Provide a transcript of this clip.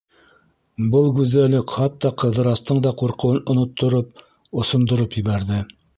Был гүзәллек хатта Ҡыҙырастың да ҡурҡыуын оноттороп, осондороп ебәрҙе.